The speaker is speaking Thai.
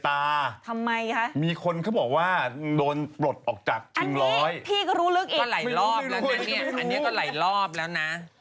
อันนี้ก็ไหลรอบแล้วนะ